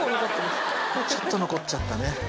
ちょっと残っちゃったね。